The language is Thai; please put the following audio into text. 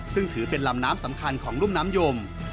ซึ่งถือเป็นลำน้ำสำคัญของรุ่มน้ำยม